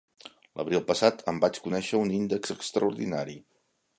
L'abril passat en vaig conèixer un índex extraordinari.